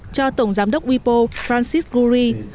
cho tổng giám đốc wipo francis goury